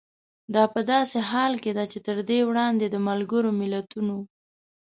دا په داسې حال کې ده چې تر دې وړاندې د ملګرو ملتونو